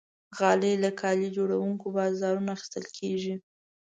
غالۍ له کالي جوړونکي بازارونو اخیستل کېږي.